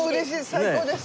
最高です。